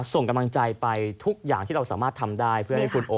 ส่งกำลังใจไปทุกอย่างที่เราสามารถทำได้เพื่อให้คุณโอ